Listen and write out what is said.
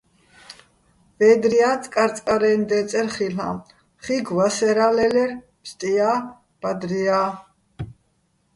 ვედრია́ წკარწკარაჲნო̆ დე́წერ ხილ'აჼ, ხიგო̆ ვასერა́ ლე́ლერ, ფსტია́, ბადრია́.